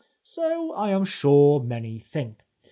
So I am sure many think.